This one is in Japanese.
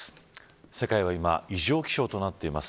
世界は今異常気象となっています。